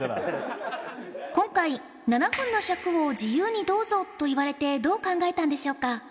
今回７分の尺を自由にどうぞと言われてどう考えたんでしょうか？